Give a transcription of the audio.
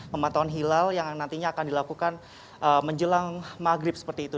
pemantauan hilal yang nantinya akan dilakukan menjelang maghrib seperti itu